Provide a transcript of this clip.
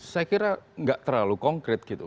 saya kira tidak terlalu konkret